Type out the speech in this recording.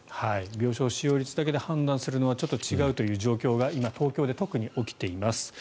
病床使用率だけで判断するのはちょっと違うという状況が今、東京で特に起きています。